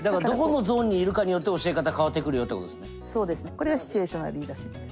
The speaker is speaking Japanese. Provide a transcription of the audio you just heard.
これがシチュエーショナルリーダーシップです。